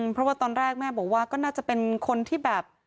เพราะว่าตอนแรกแม่บอกว่าก็น่าจะเป็นคนที่แบบ